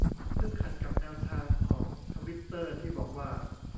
ซึ่งขัดกับแนวทางของทวิตเตอร์ที่บอกว่า